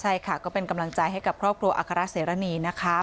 ใช่ค่ะก็เป็นกำลังใจให้กับครอบครัวอัครเสรณีนะคะ